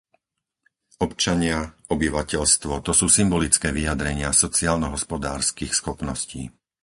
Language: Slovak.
Občania, obyvateľstvo, to sú symbolické vyjadrenia sociálno-hospodárskych schopností.